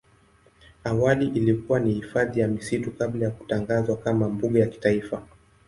Awali ilikuwa ni hifadhi ya misitu kabla ya kutangazwa kama mbuga ya kitaifa.